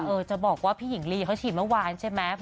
จะบอกว่าพี่หญิงลีเขาฉีดเมื่อวานใช่ไหม